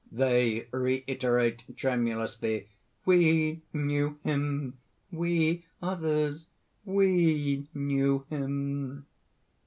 (They reiterate, tremulously:) "We knew him! we others, we knew him!"